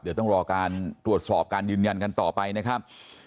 เดี๋ยวต้องรอการตรวจสอบการยืนยันกันต่อไปนะครับ